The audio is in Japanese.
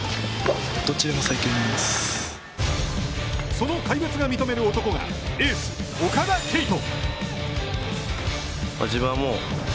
その怪物が認める男が、エース岡田彗斗。